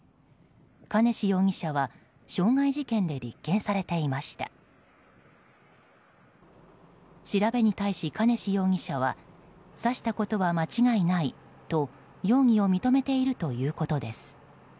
兼次容疑者は傷害事件で立件されていました調べに対し、兼次容疑者は刺したことは間違いないと容疑を認めているということです。